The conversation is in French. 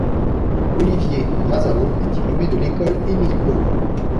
Olivier Brazao est diplômé de l'école Émile-Cohl.